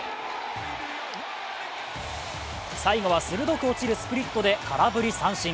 最後は鋭く落ちるスプリットで空振り三振。